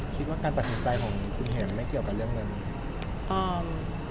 คิดว่าการประสิทธิ์สายของคุณเหภะมันไม่เกี่ยวกับเรื่องเงิน